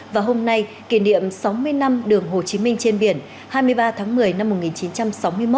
và hôm nay kỷ niệm sáu mươi năm đường hồ chí minh trên biển hai mươi ba tháng một mươi năm một nghìn chín trăm sáu mươi một